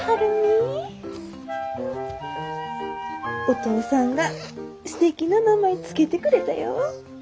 お父さんがすてきな名前付けてくれたよ。